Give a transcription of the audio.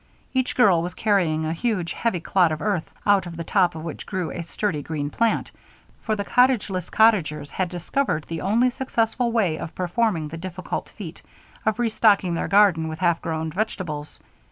Each girl was carrying a huge, heavy clod of earth, out of the top of which grew a sturdy green plant; for the cottageless cottagers had discovered the only successful way of performing the difficult feat of restocking their garden with half grown vegetables.